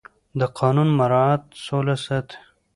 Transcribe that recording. د قانون مراعت سوله ساتي